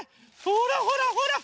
ほらほらほら！